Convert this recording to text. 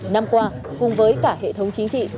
năm qua cùng với cả hệ thống chính trị